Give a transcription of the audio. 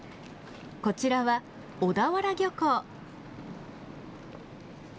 こちらは小田原漁港。